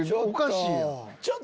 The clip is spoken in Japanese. おかしいわ！